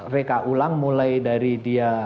reka ulang mulai dari dia